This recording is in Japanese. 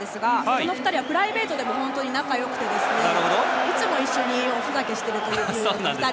この２人はプライベートでも本当に仲がよくていつも一緒におふざけしています。